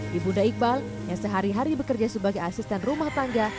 di bunda iqbal yang sehari hari bekerja sebagai asisten rumah tangga